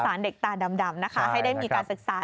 เด็กตาดำนะคะให้ได้มีการศึกษา